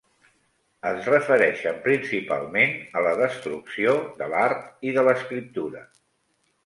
Es refereixen principalment a la destrucció de l'art i de l'escriptura.